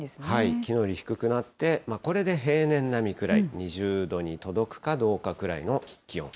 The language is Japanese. きのうより低くなって、これで平年並みくらい、２０度に届くかどうかぐらいの気温。